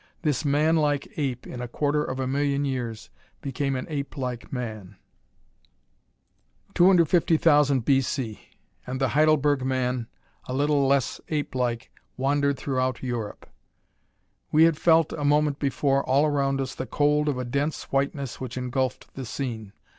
This man like ape in a quarter of a million years became an ape like man. 250,000 B. C. and the Heidelberg man, a little less ape like, wandered throughout Europe.... We had felt, a moment before, all around us, the cold of a dense whiteness which engulfed the scene.